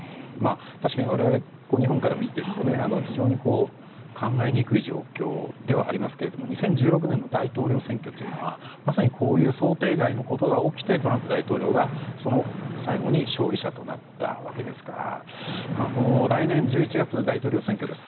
確かに我々、日本から見ていると非常に考えにくい状況ではありますが２０１６年の大統領選挙はまさにこういう想定外のことが起きてトランプ大統領が最後に勝利者となったわけで来年１１月、大統領選挙です。